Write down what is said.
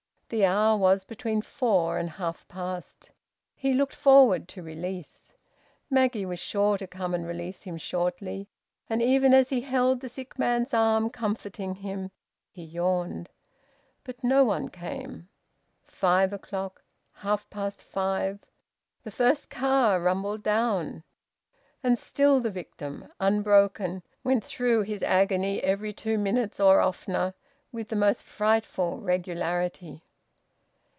The hour was between four and half past. He looked forward to release. Maggie was sure to come and release him shortly. And even as he held the sick man's arm, comforting him, he yawned. But no one came. Five o'clock, half past five! The first car rumbled down. And still the victim, unbroken, went through his agony every two minutes or oftener, with the most frightful regularity.